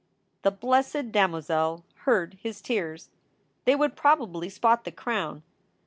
The blessed damozel "heard" his tears. They would probably spot the crown.